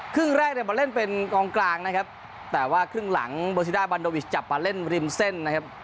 ครึ่งแรกเนี่ยมาเล่นเป็นกองกลางนะครับแต่ว่าครึ่งหลังโบซิดาบันโดวิชจับมาเล่นริมเส้นนะครับ